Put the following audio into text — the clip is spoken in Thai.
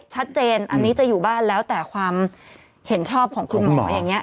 ชัดเจนอันนี้จะอยู่บ้านแล้วแต่ความเห็นชอบของคุณหมออย่างนี้